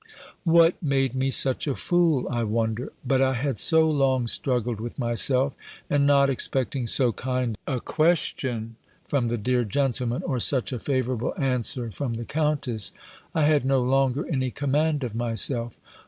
What made me such a fool, I wonder? But I had so long struggled with myself; and not expecting so kind a question from the dear gentleman, or such a favourable answer from the Countess, I had no longer any command of myself.